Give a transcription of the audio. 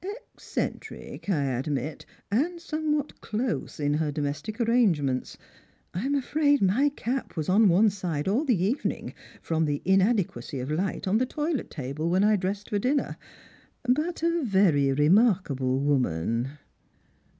Eccentric, I admit, and somewhat close ia her domestic arrangements — I'm afraid my cap was on one side all the evening, from the inadequacy of light on the toilet table when I dressed for dinner — but a very remarkable woman."